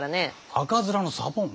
赤面のサボン？